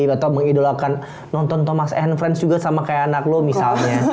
atau mengidolakan nonton thomas and friends juga sama kayak anak lo misalnya